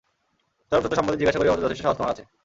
চরম সত্য সম্বন্ধে জিজ্ঞাসা করিবার মত যথেষ্ট সাহস তোমার আছে।